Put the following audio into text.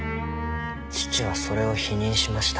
父はそれを否認しました。